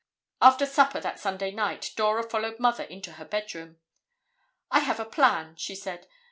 After supper that Sunday night, Dora followed Mother into her bedroom. "I have a plan," she said.